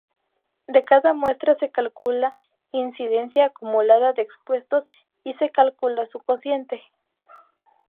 De cada muestra se calcula incidencia acumulada de expuestos y se calcula su cociente.